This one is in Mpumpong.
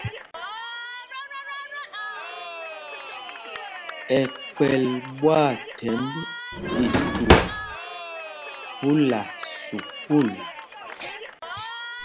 Ɛkpɛl ɓwaathɛmb itumb phúla sukûl.